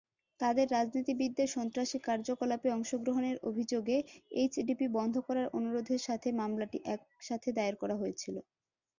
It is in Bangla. তাদের রাজনীতিবিদদের সন্ত্রাসী কার্যকলাপে অংশগ্রহণের অভিযোগে এইচডিপি বন্ধ করার অনুরোধের সাথে মামলাটি একসাথে দায়ের করা হয়েছিল।